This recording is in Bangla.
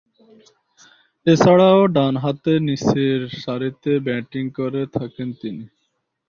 এছাড়াও ডানহাতে নিচের সারিতে ব্যাটিং করে থাকেন তিনি।